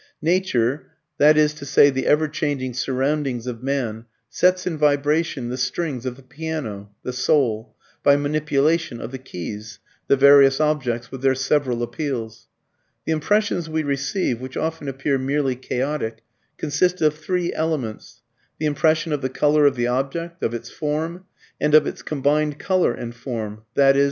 Nature, that is to say the ever changing surroundings of man, sets in vibration the strings of the piano (the soul) by manipulation of the keys (the various objects with their several appeals). The impressions we receive, which often appear merely chaotic, consist of three elements: the impression of the colour of the object, of its form, and of its combined colour and form, i.e.